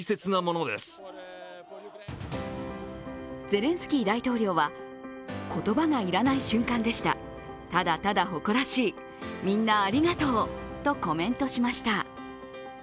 ゼレンスキー大統領は、言葉が要らない瞬間でした、ただただ誇らしい、みんなありがとうとコメントしました。